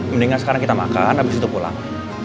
mendingan sekarang kita makan habis itu pulang